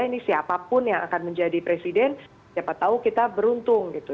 ini siapapun yang akan menjadi presiden siapa tahu kita beruntung gitu